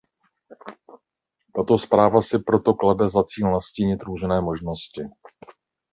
Tato zpráva si proto klade za cíl nastínit různé možnosti.